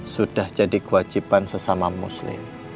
sudah jadi kewajiban sesama muslim